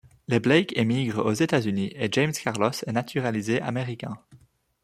Les Blake émigrent aux États-Unis et James Carlos est naturalisé américain.